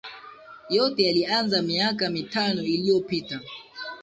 yote yalianza miaka mitano iliyopita